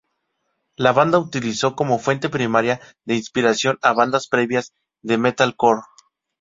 La banda utilizó como fuente primaria de inspiración a bandas previas de metalcore.